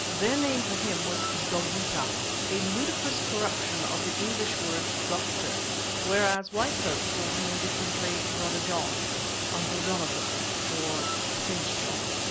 Their name for him was "Dogeetah," a ludicrous corruption of the English word "doctor," whereas white folk called him indifferently "Brother John," "Uncle Jonathan," or "Saint John."